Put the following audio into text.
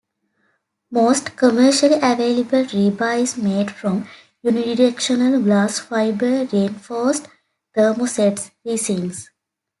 Most commercially available rebar is made from unidirectional glass fibre reinforced thermoset resins.